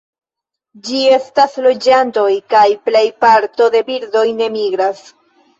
Ĝi estas loĝantoj, kaj plej parto de birdoj ne migras.